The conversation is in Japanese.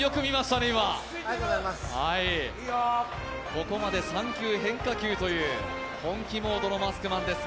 ここまで３球変化球という本気モードのマスクマンです。